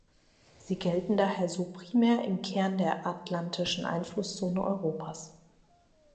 Sie gelten daher so primär im Kern der atlantischen Einflusszone Europas.